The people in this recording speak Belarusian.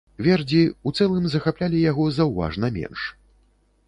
Вердзі, у цэлым захаплялі яго заўважна менш.